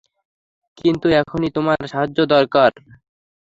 কিন্তু এখনই তোমার সাহায্য দরকার।